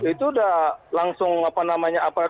itu udah langsung apa namanya